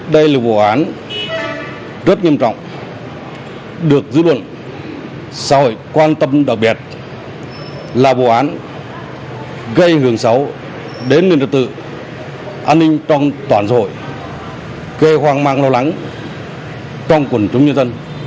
đây là vụ án rất nghiêm trọng được dư luận xã hội quan tâm đặc biệt là vụ án gây hưởng xấu đến nền đất tự an ninh trong toàn xã hội gây hoang mang lo lắng trong quần chúng nhân dân